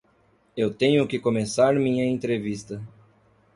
Eu tenho que começar minha entrevista.